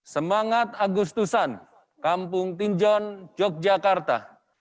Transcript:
semangat agustusan kampung tinjon yogyakarta